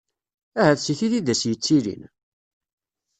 Ahat si tid i d as-yettilin?